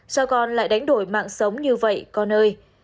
sao con lại đánh đổi mạng sống như vậy con ơi